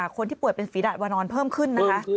คนที่ป่วยเป็นฝีดาดวานอนเพิ่มขึ้นนะคะ